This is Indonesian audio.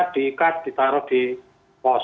diikat ditaruh di pos